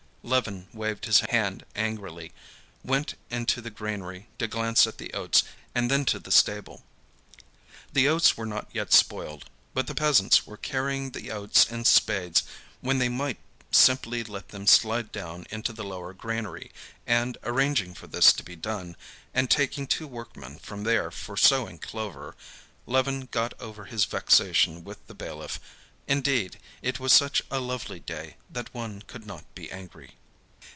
Levin waved his hand angrily, went into the granary to glance at the oats, and then to the stable. The oats were not yet spoiled. But the peasants were carrying the oats in spades when they might simply let them slide down into the lower granary; and arranging for this to be done, and taking two workmen from there for sowing clover, Levin got over his vexation with the bailiff. Indeed, it was such a lovely day that one could not be angry.